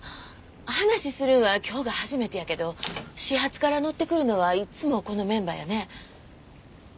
話するんは今日が初めてやけど始発から乗ってくるのはいつもこのメンバーやね。